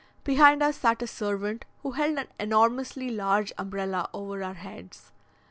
Behind us sat a servant, who held an enormously large umbrella over our heads.